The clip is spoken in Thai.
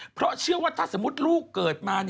เพราะเชื่อว่าถ้าสมมุติลูกเกิดมา